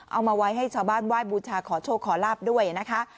เอาไว้ให้ชาวบ้านไหว้บูชาขอโชคขอลาบด้วยนะคะ